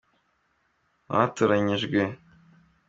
na ; batoranyijwe